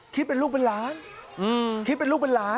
คิดเป็นลูกเป็นล้าน